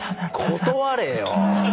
断れよ。